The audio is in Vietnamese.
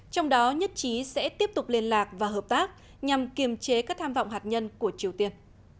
trong đó nhất trí sẽ tiếp tục liên lạc và hợp tác nhằm kiềm chế các tham vọng hạt nhân của triều tiên